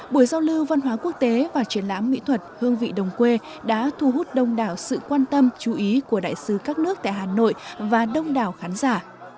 buổi giao lưu văn hóa quốc tế và triển lãm mỹ thuật hương vị đồng quê đã thu hút đông đảo sự quan tâm chú ý của đại sứ các nước tại hà nội và đông đảo khán giả